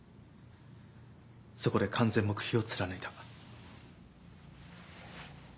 そこで完全黙秘を貫いた。